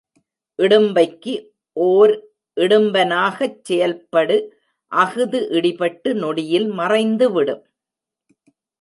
இடும்பைக்கு ஒர் இடும்பனாகச் செயல்படு அஃது இடிபட்டு நொடியில் மறைந்துவிடும்.